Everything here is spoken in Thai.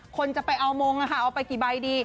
คนจะไปเอามงศ์นะคะเอาไปกี่ใบดี